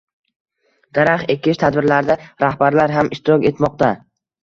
Daraxt ekish tadbirlarida rahbarlar ham ishtirok etmoqdang